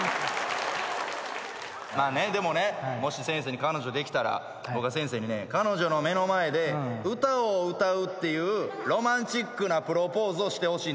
まあねでもねもし先生に彼女できたら僕は先生にね彼女の目の前で歌を歌うっていうロマンチックなプロポーズをしてほしいんですよ。